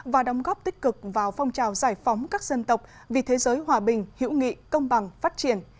và đóng góp tích cực vào phong trào giải phóng các dân tộc vì thế giới hòa bình hữu nghị công bằng phát triển